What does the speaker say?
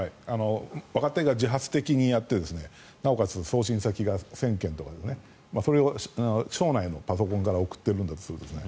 若手が自発的にやってなおかつ送信先が１０００件とかそれを省内のパソコンから送ってるんですね。